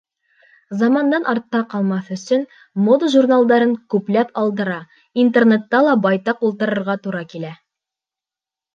Замандан артта ҡалмаҫ өсөн мода журналдарын күпләп алдыра, Интернетта ла байтаҡ ултырырға тура килә.